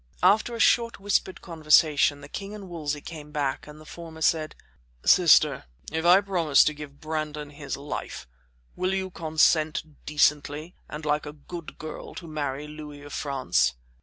After a short whispered conversation, the king and Wolsey came back and the former said: "Sister, if I promise to give Brandon his life, will you consent decently and like a good girl to marry Louis of France?"